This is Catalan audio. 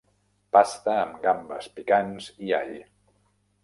Pasta amb gambes picants i all.